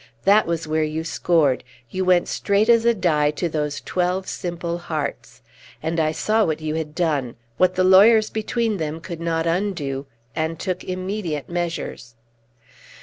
That was where you scored; you went straight as a die to those twelve simple hearts. And I saw what you had done what the lawyers between them could not undo and took immediate measures."